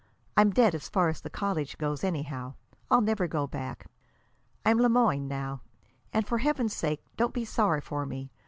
"I'm dead as far as the college goes, anyhow. I'll never go back. I'm Le Moyne now. And, for Heaven's sake, don't be sorry for me.